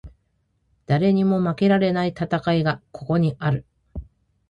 誰にも負けられない戦いがここにある